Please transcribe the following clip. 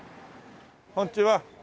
こんにちは。